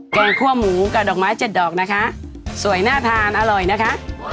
แกงคั่วหมูกับดอกไม้เจ็ดดอกนะคะสวยน่าทานอร่อยนะคะ